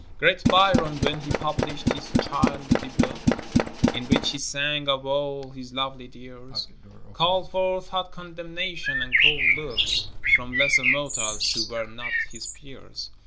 Great Byron, when he published his Childe book, In which he sang of all his lovely dears, Called forth hot condemnation and cold look, From lesser mortals who were not his peers.